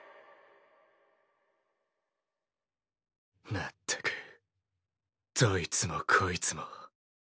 まったくどいつもこいつも。